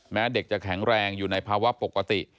แม้เด็กจะแข็งแรงอยู่ในภาวะปกติ